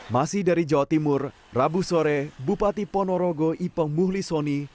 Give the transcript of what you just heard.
masih dari jawa timur rabu sore bupati ponorogo ipeng muhlisoni